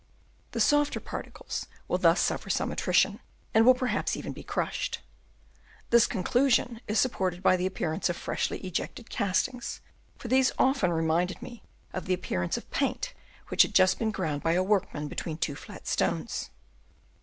The softer particles will thus suffer some attrition, and will perhaps even be crushed. This con clusion is supported by the appearance of freshly ejected castings, for these often re minded me of the appearance of paint which has just been ground by a workman between two flat stones.